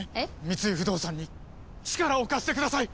三井不動産に力を貸してください！